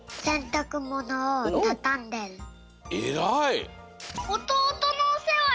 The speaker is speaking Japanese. えらい！